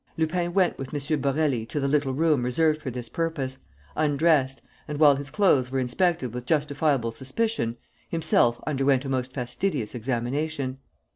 Lupin went with M. Borély to the little room reserved for this purpose, undressed and, while his clothes were inspected with justifiable suspicion, himself underwent a most fastidious examination.